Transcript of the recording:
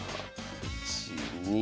１２。